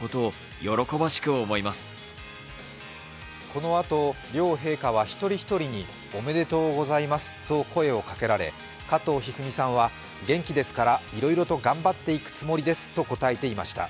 このあと両陛下は一人一人におめでとうございますと声をかけられ加藤一二三さんは、元気ですからいろいろと頑張っていくつもりですと答えていました。